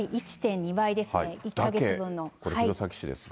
１．２倍ですね、１か月分の。